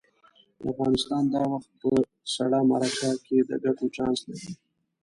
افغانستان دا وخت په سړه مرکه کې د ګټو چانس لري.